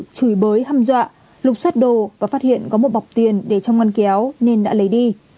chửi bới hâm dọa lục xoát đồ và phát hiện có một bọc tiền để trong ngăn kéo nên đã lấy đi